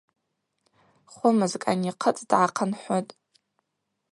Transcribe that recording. Хвымызкӏ анихъыцӏ дгӏахъынхӏвытӏ.